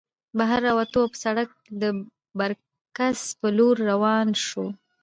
بهر راووتو او پۀ سړک د برکڅ په لور روان شو